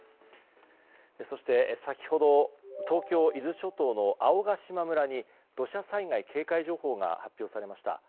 そして、先ほど東京・伊豆諸島の青ヶ島村に土砂災害警戒情報が発表されました。